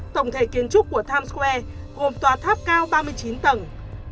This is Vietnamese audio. tổng thể kiến trúc của times square gồm tòa tháp cao ba mươi chín tầng